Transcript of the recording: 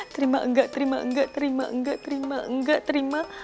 terima engga terima engga terima engga terima engga terima